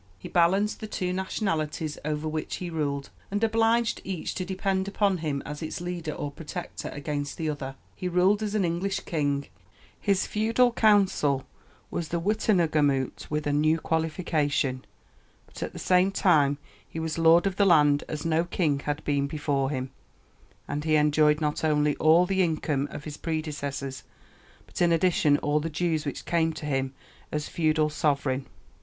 He balanced the two nationalities over which he ruled, and obliged each to depend upon him as its leader or protector against the other. He ruled as an English king; his feudal council was the witenagemot with a new qualification; but at the same time he was lord of the land as no king had been before him, and he enjoyed not only all the income of his predecessors but in addition all the dues which came to him as feudal sovereign.